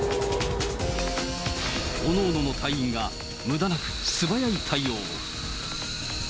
おのおのの隊員がむだなく、素早い対応。